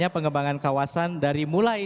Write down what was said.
pengembangan kawasan dari mulai